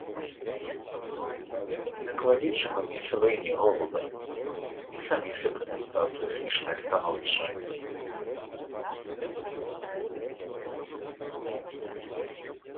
Не кладіть же мені свині, голубе, і самі себе не ставте в смішне становище.